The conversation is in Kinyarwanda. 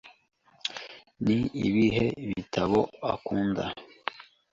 Ni ibihe bitabo ukunda?